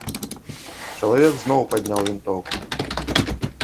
Чалавек зноў падняў вінтоўку.